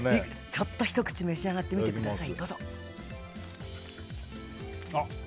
ひと口召し上がってみてください。